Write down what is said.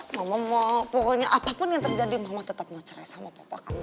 ngomong ngomong pokoknya apapun yang terjadi mama tetap mau cerai sama papa kamu